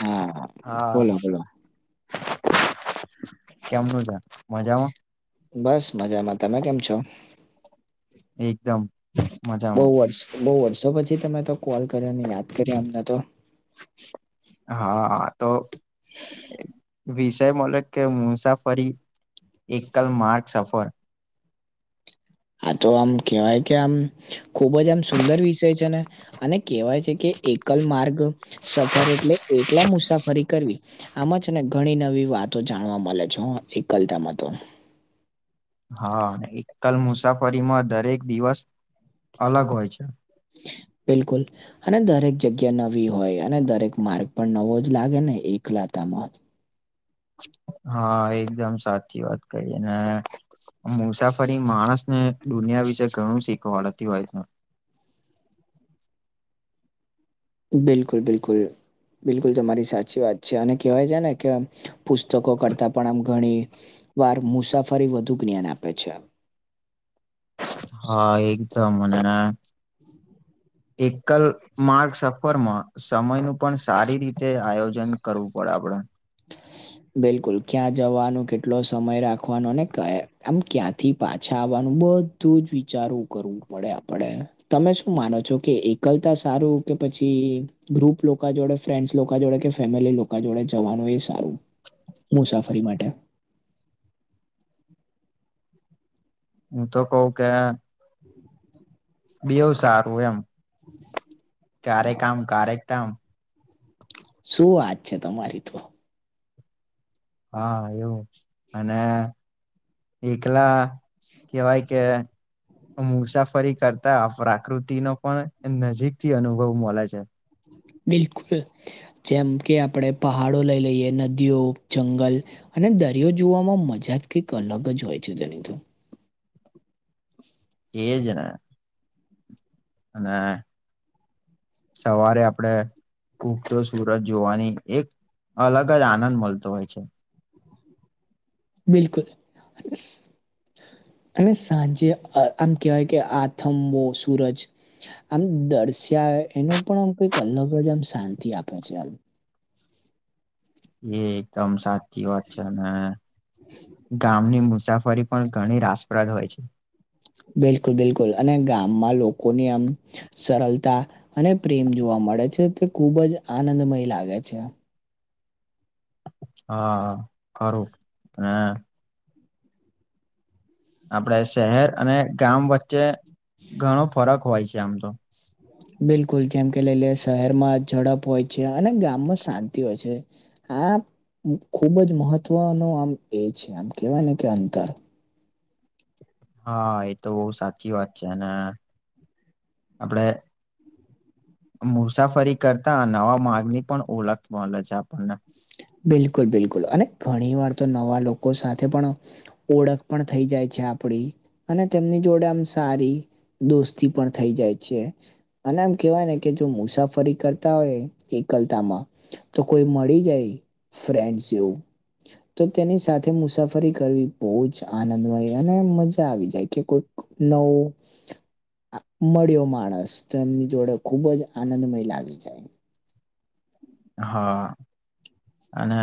હા હા બોલો, બોલો કેમનું છે, મજામા બસ મજામાં, તમે કેમ છો? એકદમ બઉ મજામાં વર્ષ બઉ વર્ષો પછી તમે તો કોલ કર્યો ને યાદ કર્યા અમને તો. હા, તો વિષય મળ્યો કે મુસાફરી એકલ માર્ગ સફર. આ તો આમ કેવાય કે આમ ખુબ જ આમ સુંદર વિષય છે ને. અને કેવાય છે કે એકલ માર્ગ સફર એટલે એકલા મુસાફરી કરવી. આમાં છે ને ઘણી નવી વાતો જાણવા મળે છે હો એકલતામાં તો. હા એકલ મુસાફરીમાં દરેક દિવસ અલગ હોય છે. બિલકુલ. અને દરેક જગ્યા નવી હોય અને દરેક માર્ગ પણ નવો જ લાગે ને એકલાતામાં. હા એકદમ સાચી વાત કહી, અને મુસાફરી માણસ ને દુનિયા વિશે ઘણું શીખવાડતી હોય છે. બિલકુલ, બિલકુલ. બિલકુલ તમારી સાચી વાત છે અને કેવાય છે ને કે પુસ્તકો કરતાં પણ આમ ઘણી વાર મુસાફરી વધુ જ્ઞાન આપે છે. હા એકદમ અને એકલ માર્ગ સફરમાં સમયનું પણ સારી રીતે આયોજન કરવું પડે આપડે. [inaudible] બિલકુલ ક્યાં જવાનું, કેટલો સમય રાખવાનો અને ક્યાં આમ ક્યાંથી પાછા આવવાનું બડ ધું જ વિચારો કરવું પડે આપડે. તમે શું માનો છો કે એકલતા સારું કે પછી ગ્રુપ લોકા જોડે ફ્રેન્ડસ લોકો જોડે કે ફેમિલી લોકો જોડે જવાનું એ સારું મુસાફરી માટે હું તો કેવ કે [inaudible] બેવુ સારું એમ [unintelligible] શું વાત છે તમારી તો હા એવું અને એકલા કેવાય કે મુસાફરી કરતા પ્રકૃતિ નો પણ નજીક થી અનુભવ મલે છે બિલકુલ જેમ કે આપડે પહાડો લઈ લઈએ નદીઓ જંગલ અને દરિયો જોવામાં મજા જ કંઈક અલગ જ હોય છે તેની તો એજને અને સવારે આપડે ઉગતો સુરત જોવાની એક અલગ જ આનંદ મલતો હોય છે બિલકુલ સ અને સાંજે આમ કહેવાય કે આથમવો સૂરજ આમ દર્શ્યા એનું પણ આમ કઈક અલગ જ આમ શાંતિ આપે છે આમ એ એકદમ સાચી વાત છે ને ગામની મુસાફરી પણ ઘણી રાસપ્રદ હોય છે બિલકુલ બિલકુલ અને ગામમાં લોકોની આમ સરળતા અને પ્રેમ જોવા મળે છે તે ખુબ જ આનંદમય લાગે છે હા હરુ ને આપડે શહેર અને ગામ વચ્ચે ઘણો ફરક હોય છે આમ તો બિલકુલ જેમ કે લઈ લીએ શહેરમાં ઝડપ હોય છે અને ગામમાં શાંતિ હોય છે હા ખુબ જ મહત્વનું આમ એ છે આમ કેહેવાય ને કે અંતર હા એ તો બો સાચી વાત છે અને આપડે મુસાફરી કરતા નવા માર્ગ ની પણ ઓળખ મળે છે આપણને બિલકુલ બિલકુલ અને ઘણી વાર તો નવા લોકો સાથે પણ ઓળખ પણ થઈ જાય છે આપડી, અને તેમની જોડે આમ સારી દોસ્તી પણ થઈ જાય છે. અને આમ કહેવાય ને કે, જો મુસાફરી કરતા હોય એકલતામાં, તો કોઈ મળી જય ફ્રેન્ડ્સ એવું તો તેની સાથે મુસાફરી કરવી બો જ આનંદમય અને મજા આવી જાય, કે કોઈ નવું. મળ્યો માણસ, તો એમની જોડે ખુબ જ આનંદમય લાગી જાય. હા, અને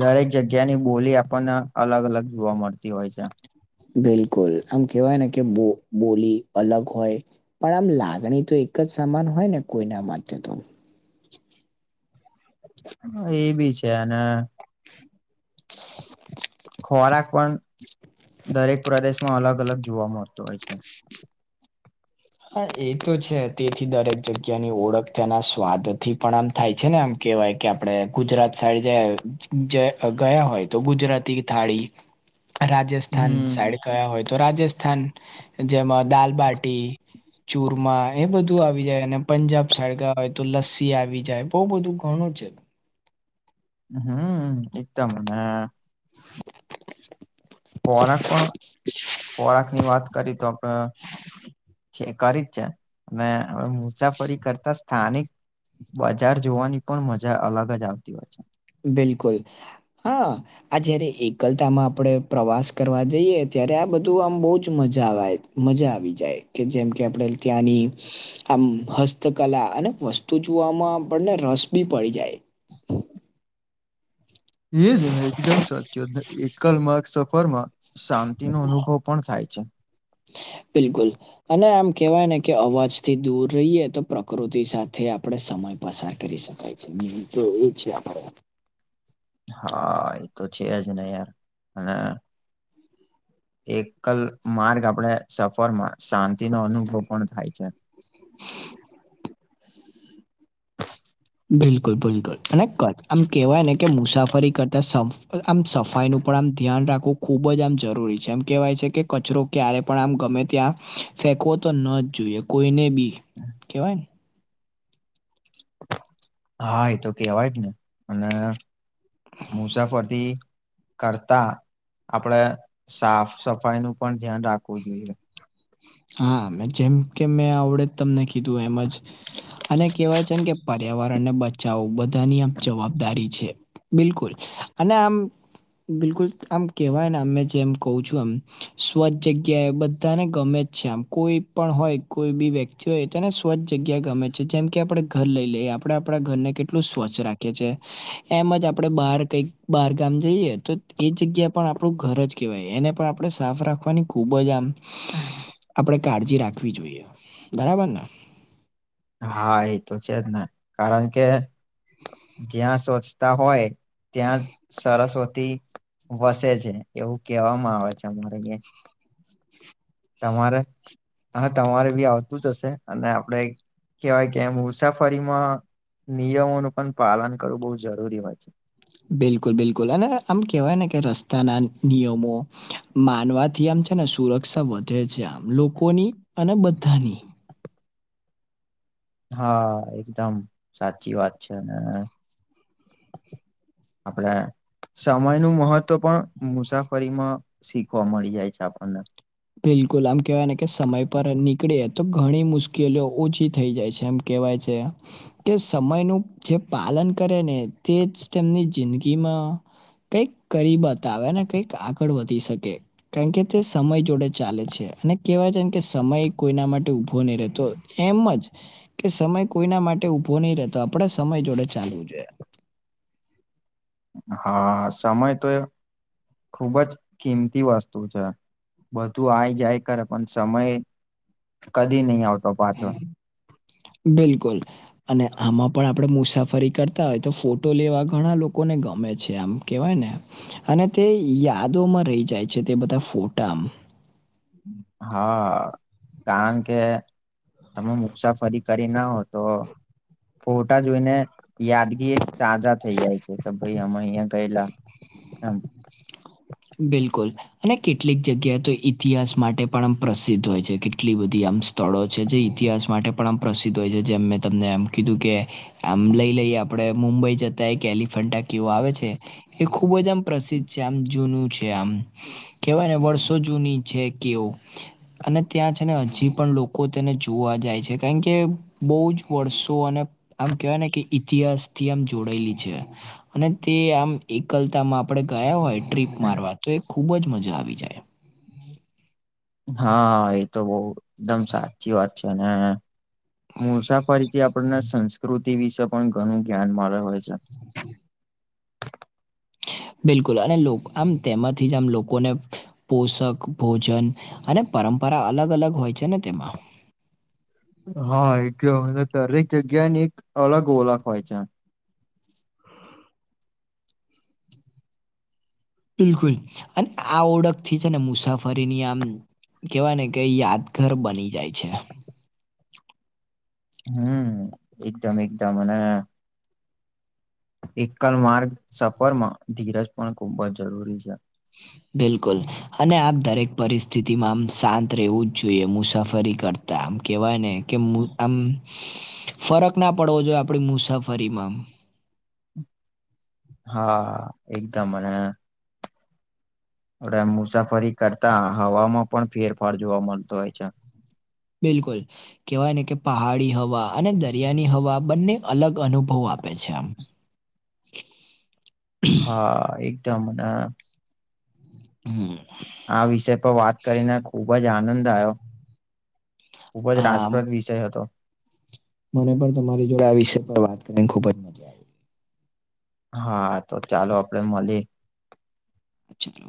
દરેક જગ્યાની બોલી આપણને અલગ અલગ જોવા મળતી હોય છે. બિલકુલ આમ કેવાય ને, કે બો બોલી અલગ હોય. પણ આમ લાગણી તો એક જ સમાન હોય ને, કોઈના માટે તો એ બી છે, અને [unintelligible] ખોરાક પણ દરેક પ્રદેશમાં અલગ અલગ જોવા મળતો હોય છે. હા, એ તો છે. તેથી દરેક જગ્યાની ઓળખ તેના સ્વાદથી પણ આમ થાય છે ને, આમ કેવાય કે આપડે ગુજરાત સાઈડ ગયા હોય, તો ગુજરાતી થાળી. રાજસ્થાન હમ સાઈડ ગયા હોય, તો રાજસ્થાન જેમાં દાલબાટી ચૂરમા, એ બધું આવી જાય. અને પંજાબ સાઈડ ગાયા હોય, તો લસ્સી આવી જાય. બો બધું ઘણું છે. હમ, એકદમ ને. ખોરાક પણ, ખોરાક ની વાત કરી તો આપણે કરી જ જાય, મુસાફરી કરતા સ્થાનિક બજાર જોવાની પણ મજા અલગ જ આવતી હોય છે. બિલકુલ, હા. આ જયારે એકલતામાં આપડે પ્રવાસ કરવા જઈએ, ત્યારે આ બધું આમ બઉ જ મજા વાય. મજા આવી જાય, કે જેમ કે આપડે ત્યાંની આમ હસ્તકલા અને વસ્તુ જોવામાં, આપણને રસ બી પડી જાય. એ જ ને, એકદમ સાચી વાત. અને એકલ માર્ગ સફરમાં શાંતિનો અનુભવ પણ થાય છે. બિલકુલ. અને આમ કેવાય ને, કે અવાજ થી દૂર રહીએ, તો પ્રકૃતિ સાથે આપડે સમય પસાર કરી શકાય છે, બીજું તો એ છે આપડે હા, એતો છે જ ને યાર, અને એકલ માર્ગ આપડે સફરમાં શાંતિ નો અનુભવ પણ થાય છે. બિલકુલ, બિલકુલ. અને ક આમ કેવાય ને, કે મુસાફરી કરતા સફ આમ સફાઈનું પણ આમ ધ્યાન રાખવું ખૂબ જ આમ જરૂરી છે. એમ કેવાય છે કે, કચરો ક્યારે પણ આમ ગમે ત્યાં ફેકવો તો ન જ જોઈએ, કોઈને બી કેવાય ને. હા, એતો કેવાય જ ને. અને મુસાફરથી કરતા, આપડે સાફ સફાઈ નું પણ ધ્યાન રાખવું જોઈએ. હા, મે જેમ કે મેં આવડે તમને કીધું એમ જ અને કેવાય છે ને કે, પર્યાવરણને બચાવવું બધાની આમ જવાબદારી છે. બિલકુલ, અને આમ બિલકુલ, આમ કેવાય. ને આમ મેં જેમ કઉં છું એમ સ્વચ્છ જગ્યા એ બધાને ગમે જ છે. આમ કોઈ પણ હોય, કોઈ બી વ્યક્તિ હોય, તો એને સ્વચ્છ જગ્યા ગમે. છે, જેમ કે આપડે ઘર લઈ લઈએ. આપડે આપડા ઘરને કેટલું સ્વચ્છ રાખીએ છે. એમ જ આપડે બાર કંઈક બાર ગામ જઈએ, તો એ જગ્યા પણ આપડું ઘર જ કેવાય, એને પણ આપડે સાફ રાખવાની. ખુબજ આમ આપડે કાળજી રાખવી જોઈએ, બરાબર ને? હા, એ તો છે જ ને, કારણ કે જ્યાં સ્વચ્છતા હોય ત્યાં જ સરસ્વતી વસે છે, એવું કેવામાં આવે છે અમારે કે તમારે હા તમારે બી આવતું જ હશે અને આપડે કેવાય કે મુસાફરીમાં નિયમોનું પણ પાલન કરવું બઉ જરૂરી હોય છે. બિલકુલ, બિલકુલ અને આમ કેવાય ને કે રસ્તાના નિયમો માનવાથી આમ છે ને સુરક્ષા વધે છે આમ લોકોની અને બધાની હા એકદમ સાચી વાત છે, અને આપડે સમય નું મહત્વ પણ મુસાફરીમાં શીખવા મળી જાય છે આપણને. બિલકુલ આમ કેવાય ને કે સમય પર નીકળ્યે તો ઘણી મુશ્કેલીઓ ઓછી થઈ જાય છે એમ કેવાય છે. તે સમયનું જે પાલન કરેને તેજ તેમની જિંદગીમાં કંઈક કરી બતાવે ને કઈક આગળ વધી શકે કારણ કે તે સમય જોડે ચાલે છે અને કેવાય છેન કે સમય કોઈના માટે ઉભો નઈ રેતો એમજ કે સમય કોઈના માટે ઊભો નઈ રેતો આપડે સમય જોડે ચાલવું જોઈએ. હા સમય તો એ ખુબ જ કિંમતી વસ્તુ છે. બધું આય જાય કરે પણ સમય કદી નહીં આવ હે બિલકુલ. અને આમાં પણ આપડે મુસાફરી કરતા હોય તો ફોટો લેવા ઘણા લોકોને ગમે છે આમ. કેવાય ને અને તે યાદોમાં રહી જાય છે તે બધા ફોટામ. હા, કાકે તમે મુસાફરી કરી ના હોતો ફોટા જોઈને યાદગી એક તાજા થઈ જાય છે કે ભઈ અમે અહિયાં ગયેલા. એમ. બિલકુલ. અને કેટલીક જગ્યા તો ઈતિહાસ માટે પણ આમ પ્રસિદ્ધ હોય છે કેટલી બધી આમ. સ્થળો છે જે ઇતિહાસ માટે પણ આમ પ્રસિદ્ધ હોય છે જેમ મેં તમને એમ કીધું કે. આમ લઈ લઈ આપડે મુંબઈ જતાય કે એલિફન્ટા કેવો આવે છે એ ખુબ જ આમ. પ્રસિદ્ધ છે આમ જૂનું છે આમ કેવાય ને વર્ષો જૂની છે કેવું. અને ત્યાં છે ને હજી પણ લોકો તેને જોવા જાય છે કારણ કે બહુ જ વર્ષો અને આમ કેવાય ને કે ઈતિહાસ થી આમ જોડાયેલી છે. અને તે આમ એકલતામાં આપે ગયા હોય ટ્રીપ મારવા તો એક. ખૂબ જ મજા આવી જાય. હા એ તો બહુ એકદમ સાચી વાત છે ને. મુસાફરીથી આપણને સંસ્કૃતિ વિશે પણ ઘણું ધ્યાન મળે હોય છે. હ [unintelligible] બિલકુલ અને લોકો આમ તેમાંથી જ આમ લોકોને પોષક ભોજન અને પરંપરા અલગ અલગ હોય છે ને તેમાં. હા એટલે દરેક જગ્યા ની એક અલગ ઓળખ હોય છે. બિલકુલ અને આ ઓળખથી છે ને મુસાફરીની આમ કેવાય ને કે યાદગાર બની જાય છે. હમ એકદમ એકદમ અને એકલ માર્ગ સફરમાં ધીરજ પણ ખુબ જ જરૂરી છે. બિલકુલ અને આપ દરેક પરિસ્થિતિમાં આમ શાંત રહેવું જ જોઈએ મુસાફરી કર. ત આમ કેવાય ને. કે આમ ફરક ના પડવો જોઈએ આપણી મુસાફરીમાં હા એકદમ અને. મુસાફરી કરતા હવામાં પણ ફેરફાર જોવા મળતો હોય છે. બિલકુલ. કવાય ને કે પહાડી હવા અને દરિયાની હવા બંને અલગ અનુભવ આપે છે આમ. હા એકદમ અ. હમ આ વિષય પર વાત કરીને ખુબ જ આનંદ આવ્યો. ખુબ જ આ રાસપ્રદ વિષય હતો. મને પણ તમારી જોડે આ વિષય પર વાત કરીને ખુબ જ મજા આવે. હા તો ચાલો આપડે મળી અચ્છી લએ.